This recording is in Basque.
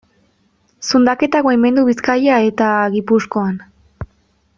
Zundaketak baimendu Bizkaia eta Gipuzkoan.